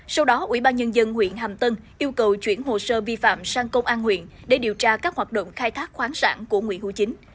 sau đó ủy ban nhân dân huyện hàm tân yêu cầu chuyển hồ sơ vi phạm sang công an huyện để điều tra các hoạt động khai thác khoáng sản của nguyễn hữu chính